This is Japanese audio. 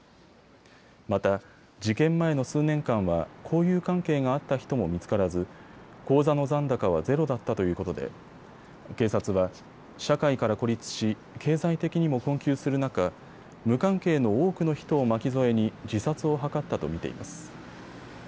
また事件前の数年間は交友関係があった人も見つからず口座の残高はゼロだったということで警察は社会から孤立し、経済的にも困窮する中、無関係の多くの人を巻き添えに自殺を図ったと見ています。